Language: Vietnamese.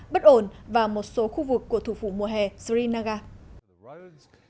bất ổn và một số khu vực của thủ phủ mùa hè srinaga